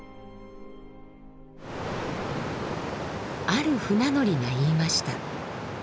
ある船乗りが言いました。